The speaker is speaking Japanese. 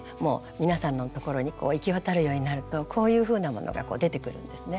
皆さんのところに行き渡るようになるとこういうふうなものが出てくるんですね。